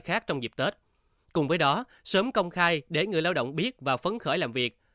khác trong dịp tết cùng với đó sớm công khai để người lao động biết và phấn khởi làm việc